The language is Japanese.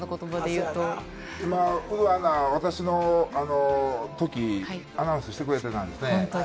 有働アナ、私のときアナウンスしてくれてたんですね。